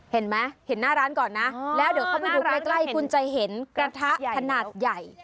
เห็นไหมเห็นหน้าร้านก่อนนะแล้วเดี๋ยวเข้าไปดูใกล้คุณจะเห็นกระทะขนาดใหญ่